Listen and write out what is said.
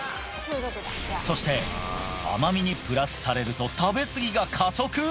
そして甘味にプラスされると食べすぎが加速！？